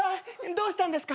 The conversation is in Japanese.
どうしたんですか？